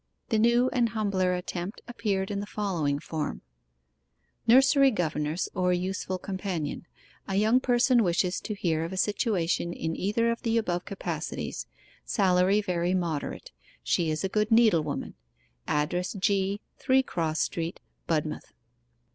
The new and humbler attempt appeared in the following form: 'NURSERY GOVERNESS OR USEFUL COMPANION. A young person wishes to hear of a situation in either of the above capacities. Salary very moderate. She is a good needle woman Address G., 3 Cross Street, Budmouth.